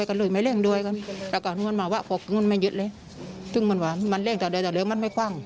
ก็ไม่ยินเร็วมันเหลือกันนั่น